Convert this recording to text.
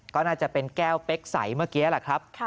ก็น่าจะเป็นแก้วเป๊กใสเมื่อกี้แหละครับ